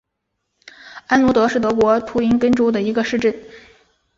安罗德是德国图林根州的一个市镇。